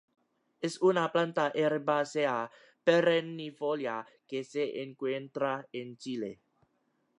Es una planta herbácea perennifolia que se encuentra en Chile.